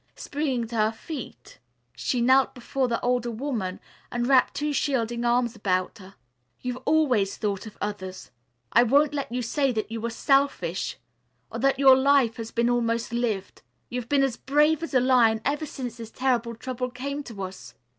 Springing to her feet she knelt before the older woman and wrapped two shielding arms about her. "You've always thought of others. I won't let you say that you are selfish, or that your life has been almost lived. You've been as brave as a lion ever since this terrible trouble came to us.